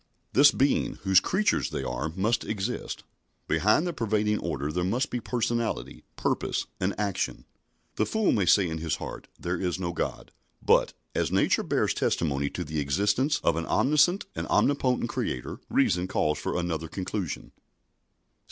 This Being, whose creatures they are, must exist. Behind the pervading order there must be personality, purpose, and action. The fool may say in his heart, "There is no God," but, as nature bears testimony to the existence of an omniscient and omnipotent Creator, reason calls for another conclusion.